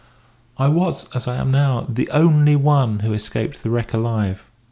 I was as I am now the only one who escaped the wreck alive.